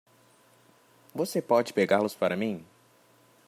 Você pode pegá-los para mim!